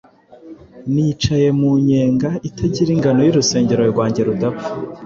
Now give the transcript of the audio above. Nicaye mu nyenga itagira ingano y'urusengero rwanjye rudapfa